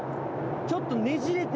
ちょっとねじれて。